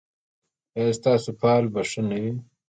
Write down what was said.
ایا ستاسو فال به ښه نه وي؟